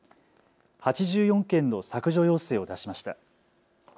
８４件の削除要請を出しました。